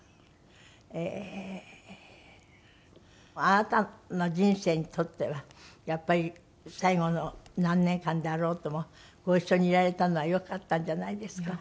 あなたの人生にとってはやっぱり最後の何年間であろうともご一緒にいられたのはよかったんじゃないですか？